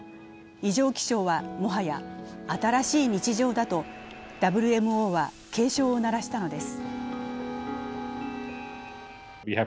異常気象はもはや新しい日常だとＷＭＯは警鐘を鳴らしたのです。